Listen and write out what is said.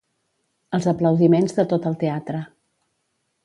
Els aplaudiments de tot el teatre.